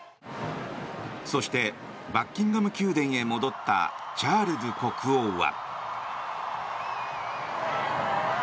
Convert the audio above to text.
そしてバッキンガム宮殿へ戻ったチャールズ国王は。